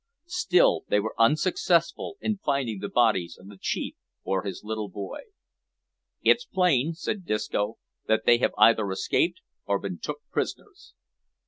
Still they were unsuccessful in finding the bodies of the chief or his little boy. "It's plain," said Disco, "that they have either escaped or been took prisoners."